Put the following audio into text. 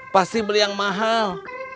pasti beli yang mahal